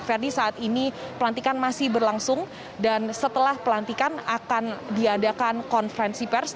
verdi saat ini pelantikan masih berlangsung dan setelah pelantikan akan diadakan konferensi pers